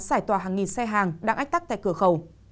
xảy tòa hàng nghìn xe hàng đang ách tắt tại cửa khẩu